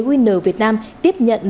winner việt nam tiếp nhận